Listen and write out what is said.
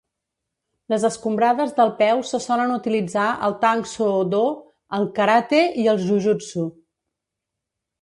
Les escombrades del peu se solen utilitzar al Tang Soo Do, al karate i al jujutsu.